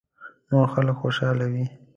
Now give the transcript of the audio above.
نور خلک خوشاله وي .